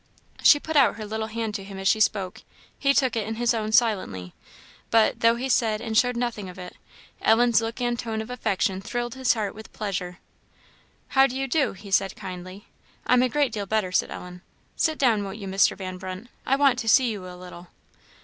She put out her little hand to him as she spoke. He took it in his own, silently; but, though he said and showed nothing of it, Ellen's look and tone of affection thrilled his heart with pleasure. "How do you do?" said he, kindly. "I'm a great deal better," said Ellen. "Sit down, won't you, Mr. Van Brunt? I want to see you a little."